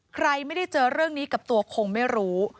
ใครไม่ได้เจอเรื่องนี้กับตัวคงไม่รู้